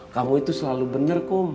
kamu itu selalu bener kum